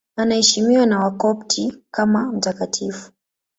Anaheshimiwa na Wakopti kama mtakatifu.